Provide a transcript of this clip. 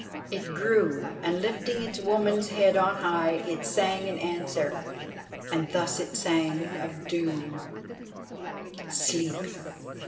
It grew, and lifting its woman's head on high, it sang in answer. And thus it sang of doom: "Sleep!